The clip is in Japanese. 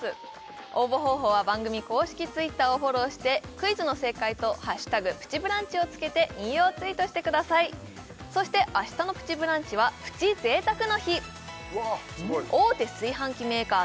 応募方法は番組公式Ｔｗｉｔｔｅｒをフォローしてクイズの正解と「＃プチブランチ」を付けて引用ツイートしてくださいそして明日の「プチブランチ」はプチ贅沢の日大手炊飯器メーカー